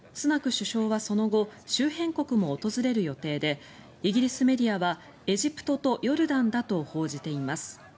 首相はその後周辺国も訪れる予定でイギリスメディアはエジプトとヨルダンだと報じています。